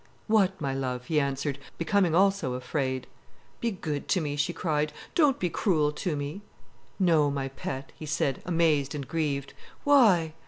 "What, my love?" he answered, becoming also afraid. "Be good to me," she cried. "Don't be cruel to me." "No, my pet," he said, amazed and grieved. "Why?"